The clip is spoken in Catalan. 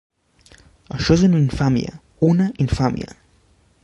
Això és una infàmia, una infàmia!